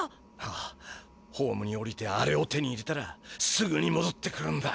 ああホームにおりてあれを手に入れたらすぐにもどってくるんだ。